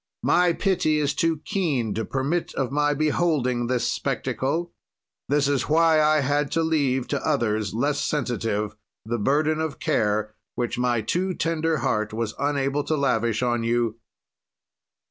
My pity is too keen to permit of my beholding this spectacle; this is why I had to leave to others, less sensitive, the burden of care which my too tender heart was unable to lavish on you."